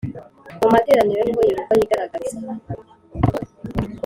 mu materaniro niho Yehova yigaragariza